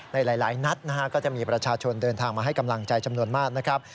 ในหลายนัดนะฮะก็จะมีประชาชนเดินทางมาให้กำลังใจจำนวนมากนะครับ